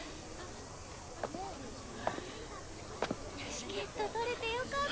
チケット取れてよかった。